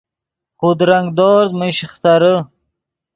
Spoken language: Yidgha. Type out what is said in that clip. خودرنگ دورز من شیخترے